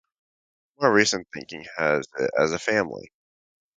More recent thinking has it as a family.